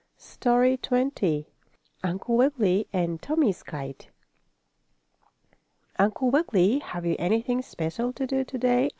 STORY XX UNCLE WIGGILY AND TOMMIE'S KITE "Uncle Wiggily, have you anything special to do today?"